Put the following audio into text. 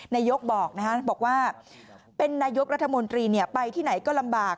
นายกบอกว่าเป็นนายกรัฐมนตรีไปที่ไหนก็ลำบาก